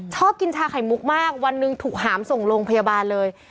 ชอบกินชาไข่มุกมากวันหนึ่งถูกหามส่งโรงพยาบาลเลย